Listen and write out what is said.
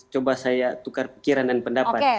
coba saya tukar pikiran dan pendapat